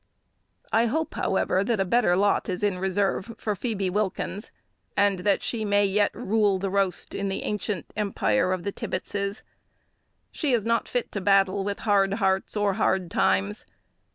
I hope, however, that a better lot is in reserve for Phoebe Wilkins, and that she may yet "rule the roast," in the ancient empire of the Tibbetses! She is not fit to battle with hard hearts or hard times.